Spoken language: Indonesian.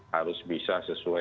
harus bisa sesuai